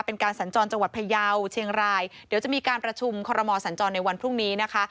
เป็นการสัญจรจังหวัดพยาวเชียงรายเดี๋ยวจะมีการประชุมคอรมอสัญจรในวันพรุ่งนี้นะคะ